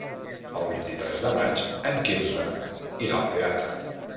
El vint-i-tres de maig en Quirze irà al teatre.